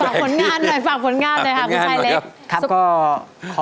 ฝากผลงานหน่อยฝากผลงานเลยค่ะมันไคล์เล็ก